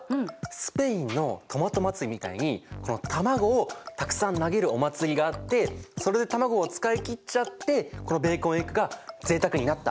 スペインのトマト祭りみたいに卵をたくさん投げるお祭りがあってそれで卵を使い切っちゃってこのベーコンエッグがぜいたくになった。